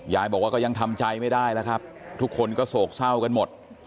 ยายบอกว่าก็ยังทำใจไม่ได้แล้วครับทุกคนก็โศกเศร้ากันหมด